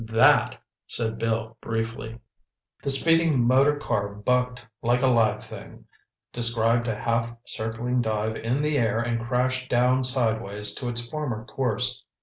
"That!" said Bill briefly. The speeding motor car bucked like a live thing—described a half circling dive in the air and crashed down sideways to its former course.